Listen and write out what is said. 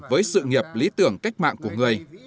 với sự nghiệp lý tưởng cách mạng của người